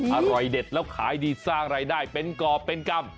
อร่อยเด็ดแล้วขายดีสร้างรายได้เป็นกรอบเป็นกรรม